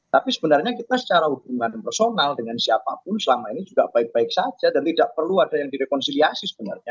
tapi sebenarnya kita secara hubungan personal dengan siapapun selama ini juga baik baik saja dan tidak perlu ada yang direkonsiliasi sebenarnya